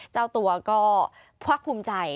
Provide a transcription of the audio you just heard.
เจ้าตัวก็พักภูมิใจ